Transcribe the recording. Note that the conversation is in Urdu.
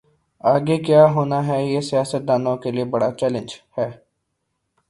آگے کیا ہوناہے یہ سیاست دانوں کے لئے بڑا چیلنج ہے۔